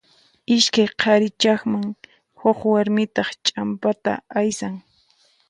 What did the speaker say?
Iskay qhari chaqman, huk warmitaq ch'ampata aysan.